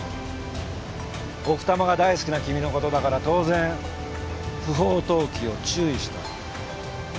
奥多摩が大好きな君のことだから当然不法投棄を注意した。